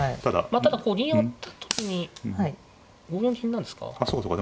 まあただこう銀上がった時に５四銀なんですか？